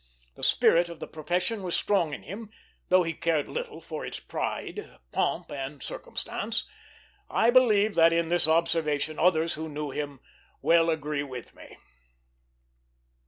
The spirit of the profession was strong in him, though he cared little for its pride, pomp, and circumstance. I believe that in this observation others who knew him well agreed with me.